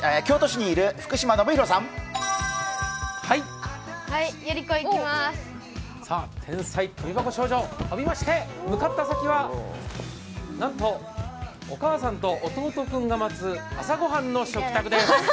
さあ天才跳び箱少女、向かった先はなんとお母さんと弟君が待つ朝御飯の食卓です。